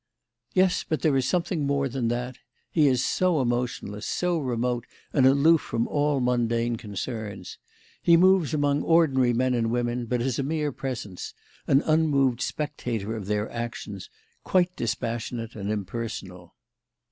"Yes, but there is something more than that. He is so emotionless, so remote and aloof from all mundane concerns. He moves among ordinary men and women, but as a mere presence, an unmoved spectator of their actions, quite dispassionate and impersonal."